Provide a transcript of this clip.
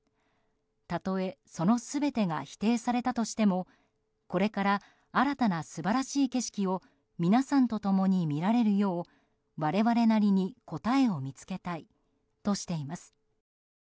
たとえ、その全てが否定されたとしてもこれから新たな素晴らしい景色を皆さんと共に見られるよう我々なりに答えを見つけたいとしています。